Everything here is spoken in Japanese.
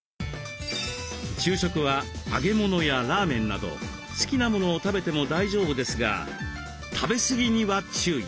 昼食は揚げ物やラーメンなど好きなものを食べても大丈夫ですが食べすぎには注意。